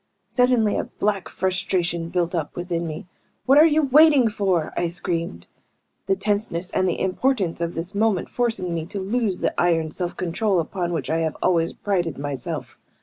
Suddenly a black frustration built up within me. "What are you waiting for?" I screamed, the tenseness, and the importance of this moment forcing me to lose the iron self control upon which I have always prided myself.